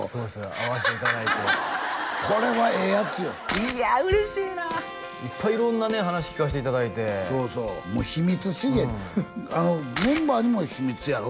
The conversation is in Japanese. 会わせていただいてこれはええヤツよいや嬉しいないっぱい色んなね話聞かせていただいてそうそうもう秘密主義やねんメンバーにも秘密やろ？